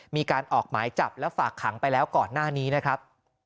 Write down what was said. มีการออกหมายจับและฝากขังไปแล้วก่อนหน้านี้นะครับ